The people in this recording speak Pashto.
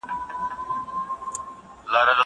هغه وويل چي موسيقي ګټوره ده!!